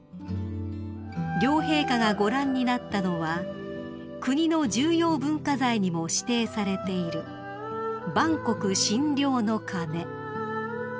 ［両陛下がご覧になったのは国の重要文化財にも指定されている万国津梁の鐘］